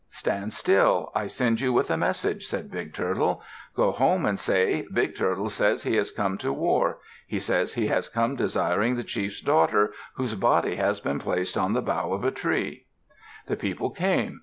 "Stand still. I send you with a message," said Big Turtle. "Go home and say, 'Big Turtle says he has come to war. He says he has come desiring the chief's daughter, whose body has been placed on the bough of a tree.'" The people came.